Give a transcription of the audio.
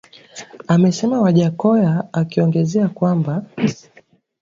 Amesema Wajackoya akiongezea kwamba